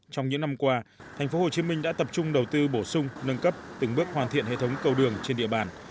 trong những năm qua tp hcm đã tập trung đầu tư bổ sung nâng cấp từng bước hoàn thiện hệ thống cầu đường trên địa bàn